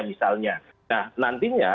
misalnya nah nantinya